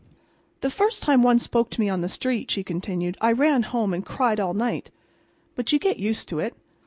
"The first time one spoke to me on the street," she continued, "I ran home and cried all night. But you get used to it.